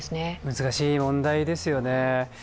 難しい問題ですよね。